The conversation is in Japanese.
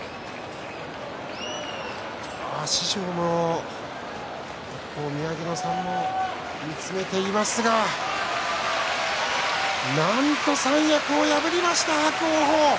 師匠の白鵬の宮城野さんが見つめていますがなんと三役を破りました伯桜鵬。